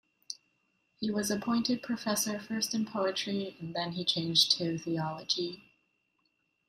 He was appointed professor first in poetry, and then he changed to theology.